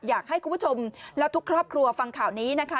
อยากให้คุณผู้ชมและทุกครอบครัวฟังข่าวนี้นะคะ